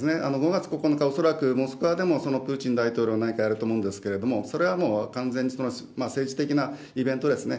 ５月９日は、恐らくモスクワでもプーチン大統領、何かやると思うんですけど、それはもう、完全に政治的なイベントですね。